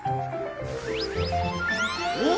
お！